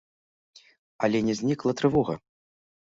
Але не знікла трывога.